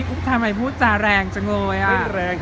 อุ๊บทำไมพูดจารแรงจังเลย